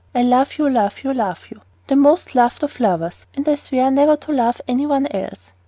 I love you, love you, love you, the most loved of lovers, and I swear never to love any one else!